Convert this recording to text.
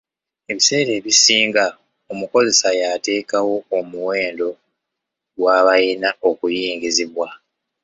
Ebiseera ebisinga, omukozesa y'ateekawo omuwendo gw'abayina okuyingizibwa.